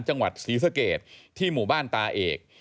จังหวัดศรีสะเกดที่หมู่บ้านตาเอก